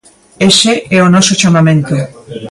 Ese é o noso chamamento.